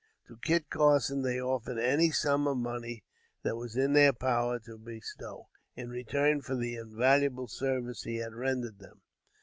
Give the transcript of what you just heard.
To Kit Carson, they offered any sum of money that was in their power to bestow, in return for the invaluable service he had rendered them.